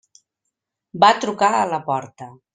Va trucar a la porta.